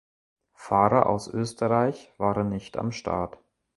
Fahrer aus Österreich waren nicht am Start.